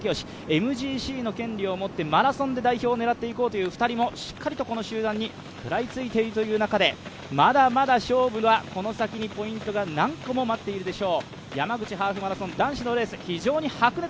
ＭＧＣの権利を持って、マラソンで代表を狙っていこうという２人もしっかりとこの集団に食らいついているという中でまだまだ勝負がこの先にポイントが何個も待っているでしょう。